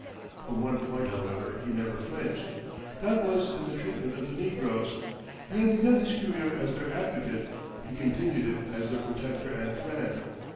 From one point, however, he never flinched; that was in the treatment of the negroes. He had begun his career as their advocate, he continued it as their protector and friend.